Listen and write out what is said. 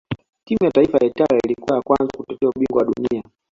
timu ya taifa ya italia ilikuwa ya kwanza kutetea ubingwa wa dunia